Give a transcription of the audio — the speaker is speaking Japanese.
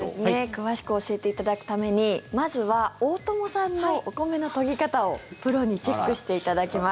詳しく教えていただくためにまずは大友さんのお米の研ぎ方をプロにチェックしていただきます。